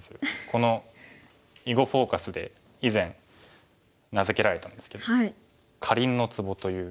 この「囲碁フォーカス」で以前名付けられたんですけど「カリンのツボ」という。